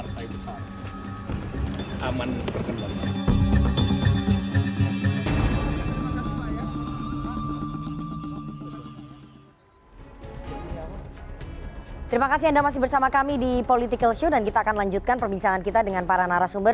terima kasih anda masih bersama kami di political show dan kita akan lanjutkan perbincangan kita dengan para narasumber